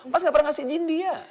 mas gak pernah ngasih izin dia